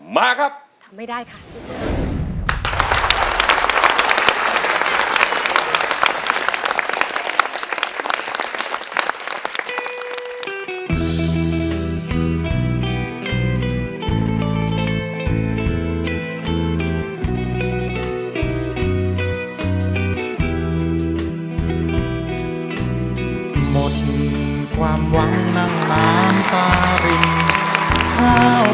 มาครับทำไม่ได้ค่ะ